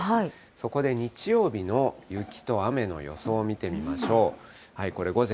そこで日曜日の雪と雨の予想を見てみましょう。